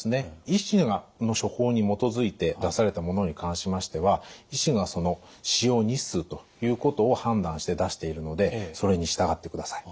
医師の処方に基づいて出されたものに関しましては医師が使用日数ということを判断して出しているのでそれに従ってください。